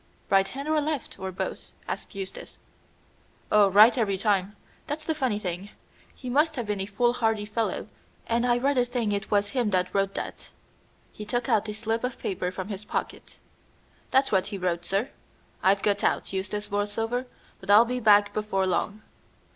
"Right hand or left, or both?" asked Eustace. "Oh, right every time. That's the funny thing. He must have been a foolhardy fellow, and I rather think it was him that wrote that." He took out a slip of paper from his pocket. "That's what he wrote, sir. 'I've got out, Eustace Borlsover, but I'll be back before long.'